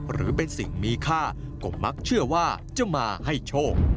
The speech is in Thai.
หรือเป็นสิ่งมีค่าก็มักเชื่อว่าจะมาให้โชค